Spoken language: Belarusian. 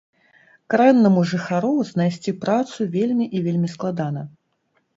Карэннаму жыхару знайсці працу вельмі і вельмі складана.